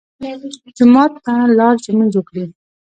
جومات ته لاړ چې لمونځ وکړي.